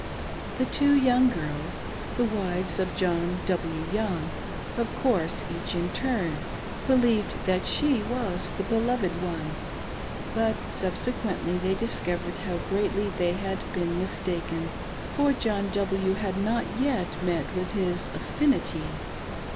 The two young girls, the wives of John W. Young, of course, each in turn, believed that she was the beloved one ; but subsequently they discovered how greatly they had been mistaken, for John W. had not yet met with his " affinity."